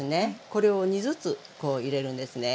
これを２ずつこう入れるんですね。